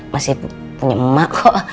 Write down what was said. masih punya emak kok